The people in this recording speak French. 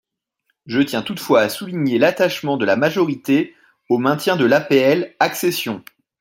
Je tiens toutefois à souligner l’attachement de la majorité au maintien de l’APL accession.